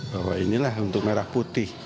bahwa inilah untuk merah putih